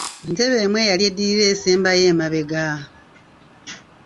Ntebe emu eyali eddirira esembayo emabega.